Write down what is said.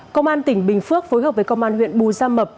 công an tỉnh bình phước phối hợp với công an huyện bù gia mập